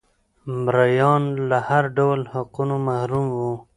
مریان له هر ډول حقونو محروم وو.